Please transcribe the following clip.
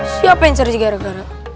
siapa yang cari gara gara